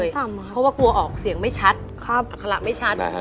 ทุกคนมาไป